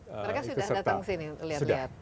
mereka sudah datang ke sini